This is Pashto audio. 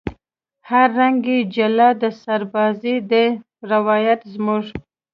هر رنگ یې جلا د سربازۍ دی روایت زموږ